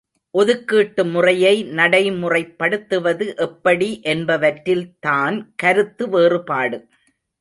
ஒதுக்கீட்டு முறையை நடை முறைப்படுத்துவது எப்படி என்பவற்றில் தான் கருத்து வேறுபாடு.